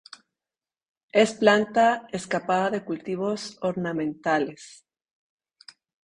Es planta escapada de cultivos ornamentales.